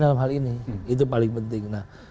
dalam hal ini itu paling penting